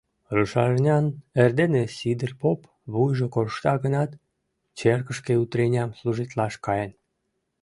Рушарнян эрдене Сидыр поп, вуйжо коршта гынат, черкышке утреням служитлаш каен.